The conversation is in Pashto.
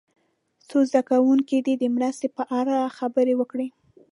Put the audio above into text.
څو زده کوونکي دې د مرستې په اړه خبرې وکړي.